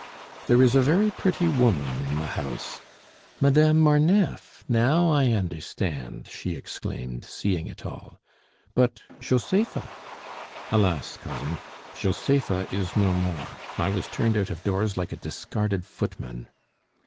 "There is a very pretty woman in the house " "Madame Marneffe! Now I understand!" she exclaimed, seeing it all. "But Josepha?" "Alas, Cousin, Josepha is no more. I was turned out of doors like a discarded footman."